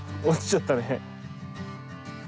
落ちちゃったね。